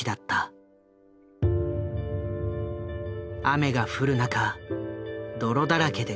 雨が降る中泥だらけで格闘。